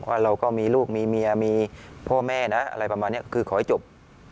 ว่าเราก็มีลูกมีเมียมีพ่อแม่นะอะไรประมาณนี้คือขอให้จบ